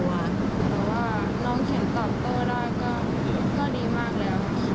แต่ว่าน้องเขียนตอบโต้ได้ก็ดีมากแล้ว